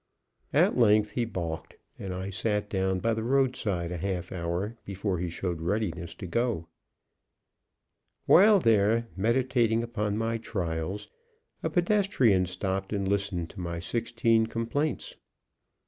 At length, he balked; and I sat down by the road side a half hour before he showed readiness to go. While there meditating upon my trials, a pedestrian stopped and listened to my sixteen complaints.